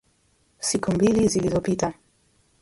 Siku mbili zilizopita